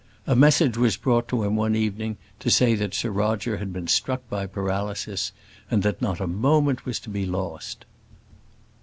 A message was brought to him one evening to say that Sir Roger had been struck by paralysis, and that not a moment was to be lost.